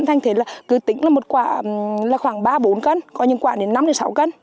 thành thế là cứ tính là khoảng ba bốn cân có những quả đến năm sáu cân